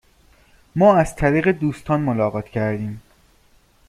ما از طریق دوستان ملاقات کردیم.